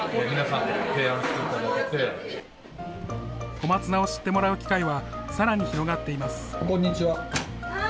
小松菜を知ってもらう機会はさらに広がっています。